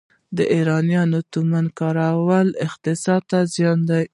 د ایراني تومان کارول اقتصاد ته زیان دی.